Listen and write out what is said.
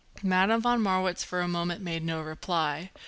Madame von Marwitz for a moment made no reply.